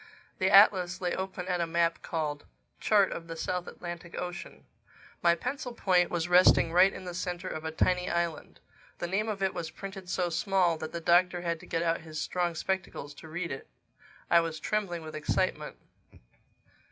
The atlas lay open at a map called, Chart of the South Atlantic Ocean. My pencil point was resting right in the center of a tiny island. The name of it was printed so small that the Doctor had to get out his strong spectacles to read it. I was trembling with excitement.